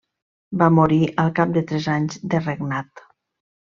Va morir al cap de tres anys de regnat.